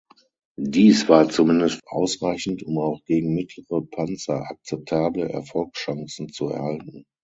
Dies war zumindest ausreichend, um auch gegen mittlere Panzer akzeptable Erfolgschancen zu erhalten.